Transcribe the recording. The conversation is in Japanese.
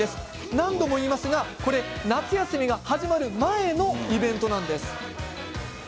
何度も言いますが、これ夏休みが始まる前のイベントです。